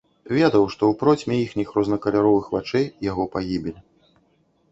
Ведаў, што ў процьме іхніх рознакаляровых вачэй яго пагібель.